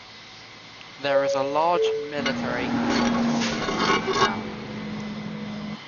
There is a large military cantonment in the town.